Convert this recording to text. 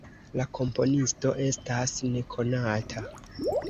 La komponisto estas nekonata.